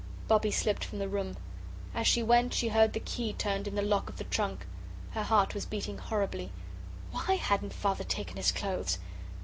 Bobbie slipped from the room. As she went she heard the key turned in the lock of the trunk. Her heart was beating horribly. WHY hadn't Father taken his clothes?